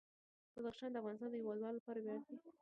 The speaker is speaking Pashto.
بدخشان د افغانستان د هیوادوالو لپاره ویاړ دی.